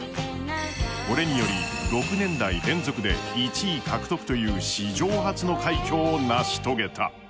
これより６年代連続で１位獲得という史上初の快挙を成し遂げた。